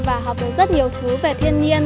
và học được rất nhiều thứ về thiên nhiên